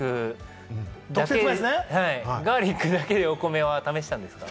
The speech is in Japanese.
ガーリックだけでお米を試したんですか？